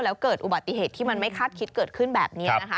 แล้วเกิดอุบัติเหตุที่มันไม่คาดคิดเกิดขึ้นแบบนี้นะคะ